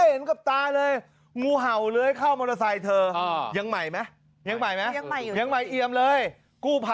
เห็นกับตาเลยงูเห่าเล้ยเข้ามอเตอร์ไซค์เธอ